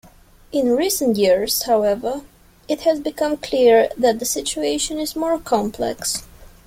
In recent years, however, it has become clear that the situation is more complex.